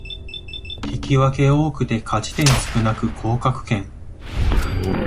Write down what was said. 引き分け多くて勝ち点少なく降格圏